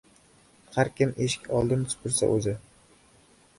Har kim eshik oldin supursa o‘zi